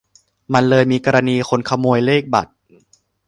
มันเลยมีกรณีคนขโมยเลขบัตร